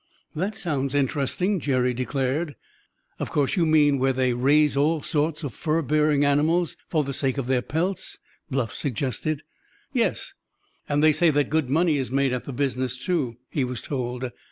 "That sounds interesting!" Jerry declared. "Of course you mean where they raise all sorts of fur bearing animals for the sake of their pelts?" Bluff suggested. "Yes; and they say that good money is made at the business, too," he was told.